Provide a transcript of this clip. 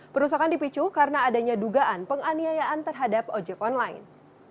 perusakan dipicu karena adanya dugaan penganiayaan terhadap ojek online